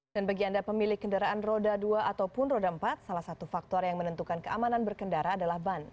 dan bagi anda pemilik kendaraan roda dua ataupun roda empat salah satu faktor yang menentukan keamanan berkendara adalah ban